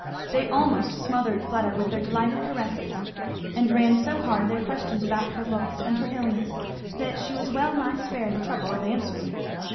They almost smothered Fleda with their delighted caresses, and ran so hard their questions about her looks and her illness, that she was well nigh spared the trouble of answering.